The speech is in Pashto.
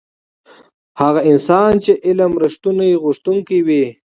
هغه انسان چې علم رښتونی غوښتونکی وي.